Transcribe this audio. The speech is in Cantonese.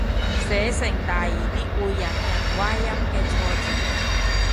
寫成第二啲會引人歪音嘅錯字